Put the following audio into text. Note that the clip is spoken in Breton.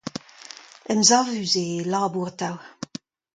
Emsavus eo e labour atav.